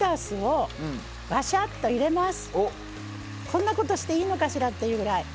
こんなことしていいのかしらっていうぐらい。